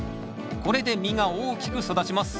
これで実が大きく育ちます。